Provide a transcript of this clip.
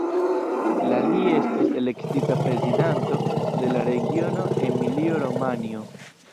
La li estis elektita prezidanto de la regiono Emilio-Romanjo.